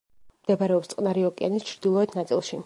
მდებარეობს წყნარი ოკეანის ჩრდილოეთ ნაწილში.